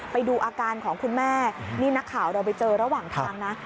ไปดูอาการของคุณแม่นี่นักข่าวเราไปเจอระหว่างทางนะ